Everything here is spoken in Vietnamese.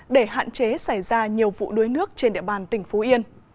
để hạn chế xảy ra nhiều vụ đuối nước trên địa bàn tỉnh phú yên